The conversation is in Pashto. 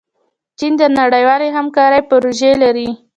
چین د نړیوالې همکارۍ پروژې لري.